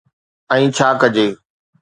۽ ڇا ڪجي؟